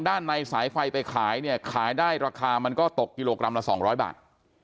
ด้านในสายไฟไปขายเนี่ยขายได้ราคามันก็ตกกิโลกรัมละ๒๐๐บาท